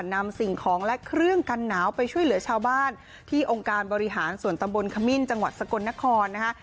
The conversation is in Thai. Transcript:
นำสิ่งของและเครื่องกันหนาวไปช่วยเหลือชาวบ้านที่องค์การบริหารส่วนตำบลขมิ้นจังหวัดสกลนครนะคะ